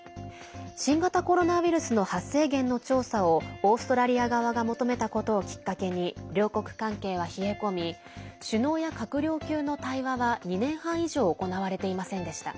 新型コロナウイルスの発生源の調査をオーストラリア側が求めたことをきっかけに両国関係は冷え込み首脳や閣僚級の対話は２年半以上行われていませんでした。